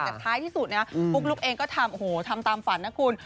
แต่ท้ายที่สุดนะปุ๊กลุ๊กเองก็ทำโอ้โหทำตามฝันนะคุณ